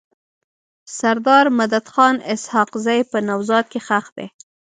سردار مددخان اسحق زی په نوزاد کي ښخ دی.